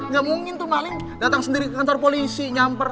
gak mungkin tuh maling datang sendiri ke kantor polisi nyamper